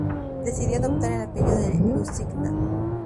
Decidió adoptar el apellido "de Lusignan".